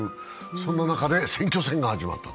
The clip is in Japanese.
そんな中で選挙戦が始まったと。